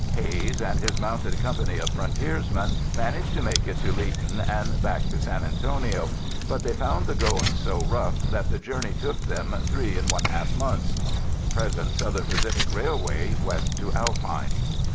Hays and his mounted company of frontiersmen managed to make it to Leaton and back to San Antonio, but they found the going so rough that the journey took them three and one half months. (Present Southern Pacific Railway west to Alpine).